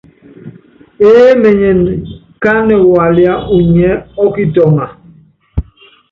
Eé menyen kánɛ waliá unyi ɛ ɔ́kitɔŋa?